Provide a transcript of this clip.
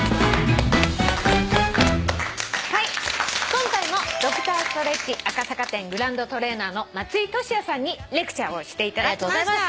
今回もＤｒ．ｓｔｒｅｔｃｈ赤坂店グランドトレーナーの松居俊弥さんにレクチャーをしていただきました。